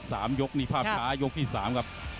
ยกนี่ภาพช้ายกที่สามครับ